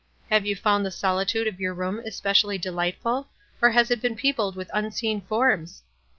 "Have you found the solitude of your room especially delightful, or has it been peopled with unseen forms?"